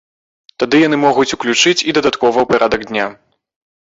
Тады яны могуць уключыць і дадаткова ў парадак дня.